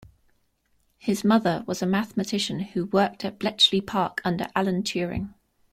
His mother was a mathematician who worked at Bletchley Park under Alan Turing.